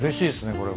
これは。